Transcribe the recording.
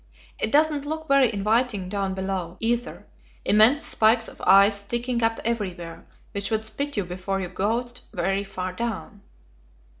It doesn't look very inviting down below, either; immense spikes of ice sticking up everywhere, which would spit you before you got very far down."